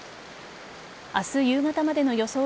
明日夕方までの予想